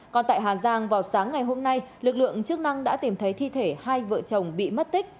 còn tại hà giang vào sáng ngày hôm nay lực lượng chức năng đã tìm thấy thi thể hai vợ chồng bị mất tích